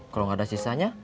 kalo gak ada sisanya